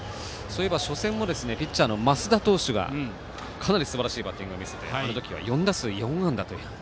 初戦もピッチャーの増田投手がかなりすばらしいバッティングを見せてあの時は４打数４安打。